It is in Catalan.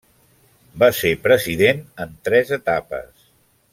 Va ser president en tres etapes.